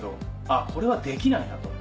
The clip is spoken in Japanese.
あぁこれはできないなと。